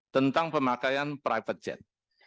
tentang pemakaian private jet